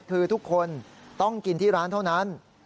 คือทุกคนต้องกินที่ร้านเท่านั้น